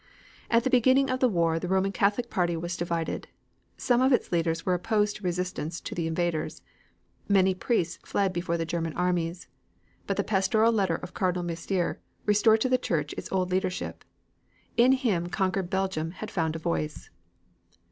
At the beginning of the war the Roman Catholic party was divided. Some of its leaders were opposed to resistance to the invaders. Many priests fled before the German armies. But the pastoral letter of Cardinal Mercier restored to the Church its old leadership. In him conquered Belgium had found a voice.